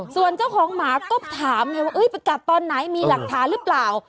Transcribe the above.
ส่วนเจ้าของหมาก็ถามไงว่าไปกัดตอนไหนมีหลักฐานหรือเปล่า